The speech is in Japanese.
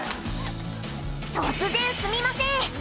突然すみません！